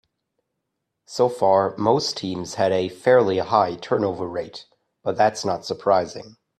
So far, most teams have had a fairly high turnover rate, but that's not surprising.